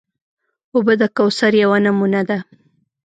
اوبه د کوثر یوه نمونه ده.